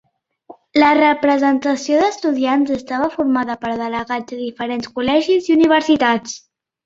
La representació dels estudiants estava formada per delegats de diferents col·legis i universitats.